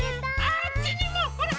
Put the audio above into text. ああっちにもほら！